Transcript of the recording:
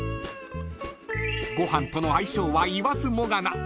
［ご飯との相性は言わずもがな］